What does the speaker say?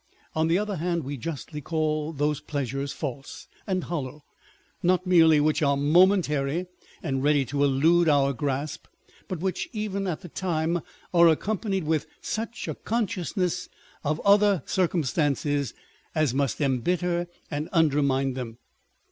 On the other hand, we justly 496 On Depth and Superficiality. call those pleasures false and hollow, not merely which are momentary and ready to elude our grasp, but which, even at the time, are accompanied with such a consciousness of other circumstances as must embitter and undermine them.